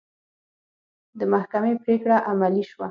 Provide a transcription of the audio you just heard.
د محکمې پرېکړه عملي شوه.